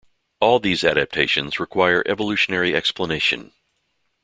All these adaptations require evolutionary explanation.